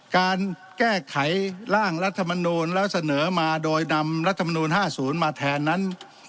การแก้ไขร่างรัฐมนูลแล้วเสนอมาโดยนำรัฐมนูล๕๐มาแทนนั้น